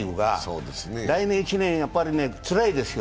来年１年やはりつらいですよ。